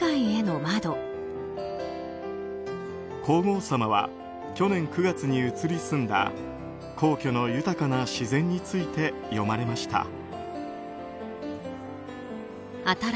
皇后さまは去年９月に移り住んだ皇居の豊かな自然について詠まれました。